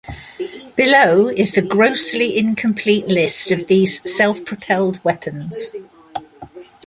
Below is the grossly incomplete list of these self-propelled weapons.